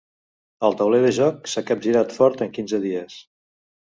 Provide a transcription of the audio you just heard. El tauler de joc s’ha capgirat fort en quinze dies.